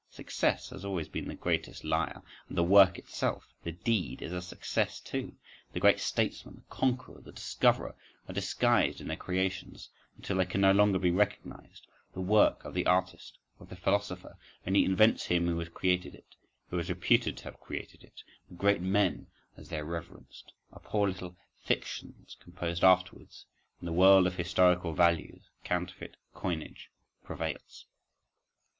Success has always been the greatest liar—and the "work" itself, the deed, is a success too; the great statesman, the conqueror, the discoverer, are disguised in their creations until they can no longer be recognised, the "work" of the artist, of the philosopher, only invents him who has created it, who is reputed to have created it, the "great men," as they are reverenced, are poor little fictions composed afterwards; in the world of historical values counterfeit coinage prevails.